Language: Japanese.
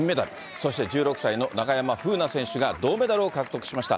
そして１６歳の中山楓奈選手が銅メダルを獲得しました。